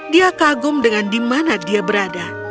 dia kagum dengan di mana dia berada